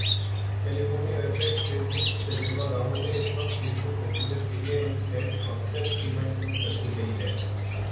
California web desk Facebook کی تجربہ گاہوں میں اس وقت فیس بک میسنجر کے لیے ان سینڈ آپشن کی مشق شروع کردی گئی ہے